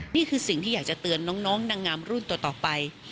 นี่คือสิ่งที่อยากจะเตือนน้องนางงามรุ่นต่อไป